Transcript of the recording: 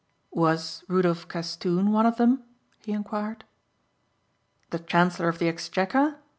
"Was Rudolph Castoon one of them?" he inquired. "The Chancellor of the Exchequer?"